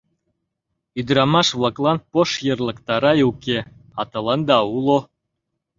Ӱдырамаш-влаклан пошйырлык тарай уке, а тыланда уло!